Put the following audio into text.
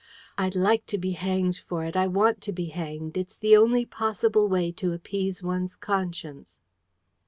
I'd like to be hanged for it. I want to be hanged. It's the only possible way to appease one's conscience."